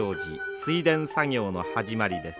水田作業の始まりです。